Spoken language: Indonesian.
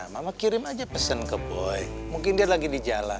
mama kirim aja pesan ke boy mungkin dia lagi di jalan